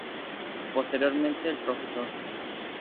Posteriormente el Prof.